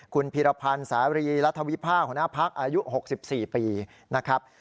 คุณพีรพันธ์สารีรัฐวิพากหัวหน้าพักอายุ๖๔ปีนะครับ